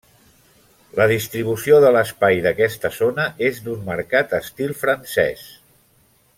La distribució de l'espai d'aquesta zona és d'un marcat estil francès.